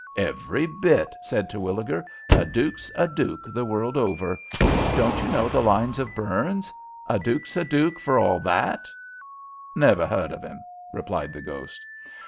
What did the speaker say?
"Every bit," said Terwilliger. "A duke's a duke the world over. Don't you know the lines of Burns, 'A duke's a duke for a' that'?" "Never 'eard of 'im," replied the ghost.